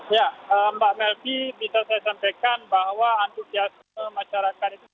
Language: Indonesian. ya mbak melvi bisa saya sampaikan bahwa antusiasme masyarakat itu sangat tinggi